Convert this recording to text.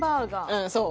うんそう。